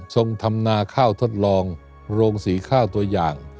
ทำนาข้าวทดลองโรงสีข้าวตัวอย่าง